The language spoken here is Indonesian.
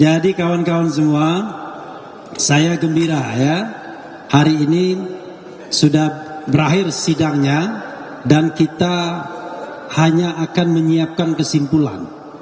jadi kawan kawan semua saya gembira ya hari ini sudah berakhir sidangnya dan kita hanya akan menyiapkan kesimpulan